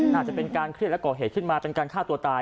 น่าจะเป็นการเครียดและก่อเหตุขึ้นมาเป็นการฆ่าตัวตาย